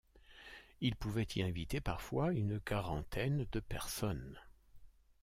Il pouvait y inviter parfois une quarantaine de personnes.